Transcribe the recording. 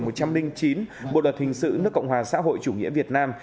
bộ luật hình sự nước cộng hòa xã hội chủ nghĩa việt nam